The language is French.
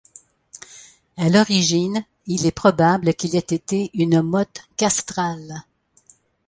A l'origine, il est probable qu'il ait été une motte castrale.